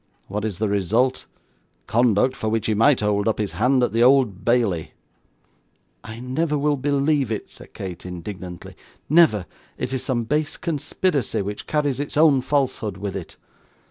What is the result? Conduct for which he might hold up his hand at the Old Bailey.' 'I never will believe it,' said Kate, indignantly; 'never. It is some base conspiracy, which carries its own falsehood with it.